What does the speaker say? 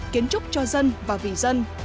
kiến trúc cho dân và vì dân